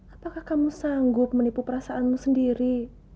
apakah kamu sanggup menipu perasaanmu sendiri